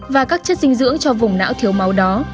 và các chất dinh dưỡng cho vùng não thiếu máu đó